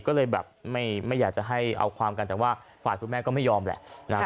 ก็เลยแบบไม่อยากจะให้เอาความกันแต่ว่าฝ่ายคุณแม่ก็ไม่ยอมแหละนะครับ